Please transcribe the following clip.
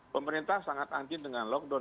pemerintah sangat anti dengan lockdown